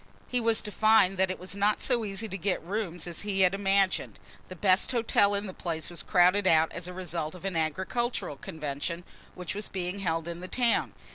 He was to find that it was not so easy to get rooms as he had imagined. The best hotel in the place was crowded out as a result of an agricultural convention which was being held in the town.